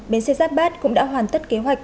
bến xe giáp bát cũng đã hoàn tất kế hoạch